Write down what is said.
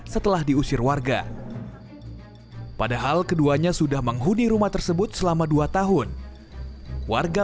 setelah diusir warga padahal keduanya sudah menghuni rumah tersebut selama dua tahun warga